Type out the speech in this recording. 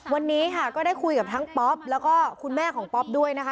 วันนี้ค่ะก็ได้คุยกับทั้งป๊อปแล้วก็คุณแม่ของป๊อปด้วยนะคะ